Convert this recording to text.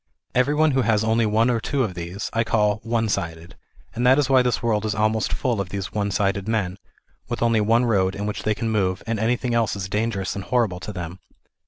Every one who has only one or two of these, I call " one sided," and that is why this world is almost full of these " one sided " men, with only one road in which they can move, and anything else is dangerous and horrjble to them.